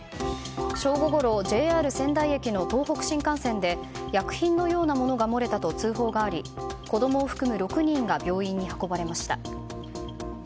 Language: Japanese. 正午ごろＪＲ仙台駅の東北新幹線で薬品のようなものが漏れたと通報があり子供を含む６人が病院に運ばれました。